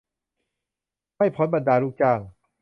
ไม่พ้นบรรดาลูกจ้าง